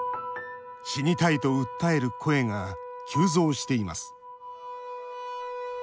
死にたいと訴える声が急増しています。